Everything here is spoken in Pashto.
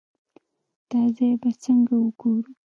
دا ځای به څنګه وګورو.